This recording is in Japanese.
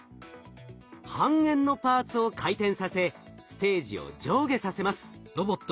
半円のパーツを回転させステージを上下させます。